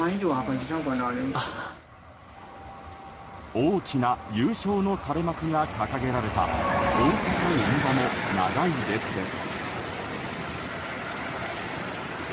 大きな優勝の垂れ幕が掲げられた大阪・梅田も長い列です。